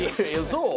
そう？